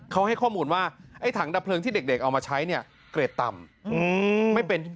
เขาให้ข้อมูลว่าทั้งดับเพลิงที่เด็กเอามาใช้เกรดต่ำ